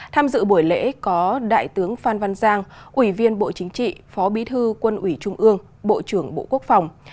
tham dự buổi lễ có đại tướng phan văn giang ủy viên bộ chính trị phó bí thư quân ủy trung ương bộ trưởng bộ quốc phòng